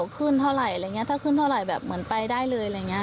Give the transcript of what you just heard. ขึ้นเท่าไหร่อะไรอย่างนี้ถ้าขึ้นเท่าไหร่แบบเหมือนไปได้เลยอะไรอย่างนี้